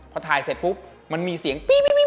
พอถ่ายเสร็จปุ๊บมันมีเสียงปี๊บ